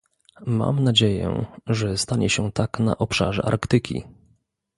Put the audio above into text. Mam nadzieję, że stanie się tak na obszarze Arktyki